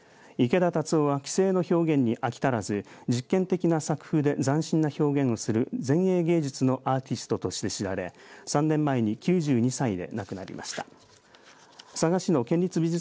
池田龍雄は既成の表現に飽き足らず実験的な作風で斬新な表現をする前衛芸術のアーティストとして知られ３年前に９２歳で亡くなりました。